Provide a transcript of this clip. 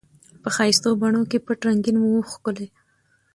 په ښایستو بڼو کي پټ رنګین وو ښکلی